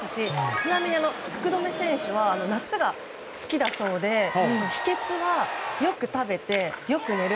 ちなみに、福留選手は夏が好きだそうで秘訣はよく食べて、よく寝る。